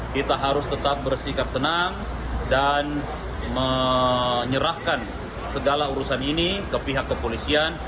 kita harus tetap bersikap tenang dan menyerahkan segala urusan ini ke pihak kepolisian